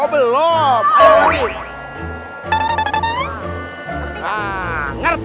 ngerti ayo kita berdarah